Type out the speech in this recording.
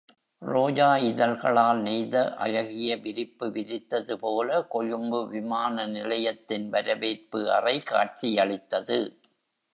ரோஜா இதழ்களால் நெய்த அழகிய விரிப்பு விரித்தது போல கொழும்பு விமான நிலையத்தின் வரவேற்பு அறை காட்சியளித்தது.